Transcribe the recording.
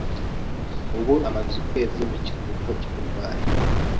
Ubu amaze ukwezi mu kiruhuko cy’uburwayi.